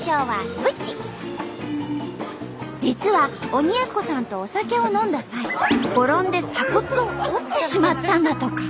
実は鬼奴さんとお酒を飲んだ際転んで鎖骨を折ってしまったんだとか。